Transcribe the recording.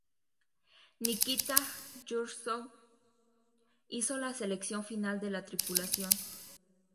Nikita Jrushchov hizo la selección final de la tripulación.